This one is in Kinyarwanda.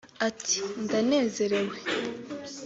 Ati “Ndanezerewe